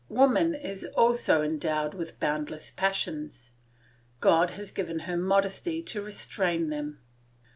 Woman is also endowed with boundless passions; God has given her modesty to restrain them.